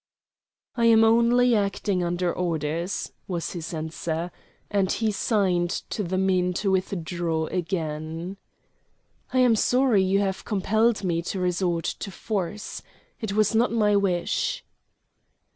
"I am only acting under orders," was his answer, and he signed to the men to withdraw again. "I am sorry you have compelled me to resort to force. It was not my wish."